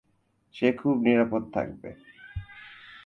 সে খুব নিরাপদ থাকবে।